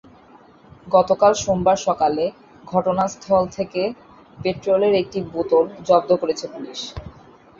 গতকাল সোমবার সকালে ঘটনাস্থল থেকে পেট্রলের একটি বোতল জব্দ করেছে পুলিশ।